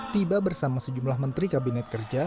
tiba bersama sejumlah menteri kabinet kerja